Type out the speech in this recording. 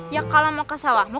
ya kalo mau ke sawahmu